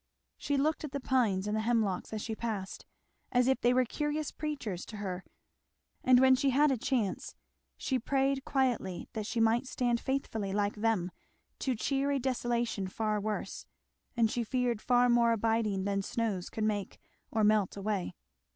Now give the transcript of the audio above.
She looked at the pines and hemlocks as she passed, as if they were curious preachers to her; and when she had a chance she prayed quietly that she might stand faithfully like them to cheer a desolation far worse and she feared far more abiding than snows could make or melt away.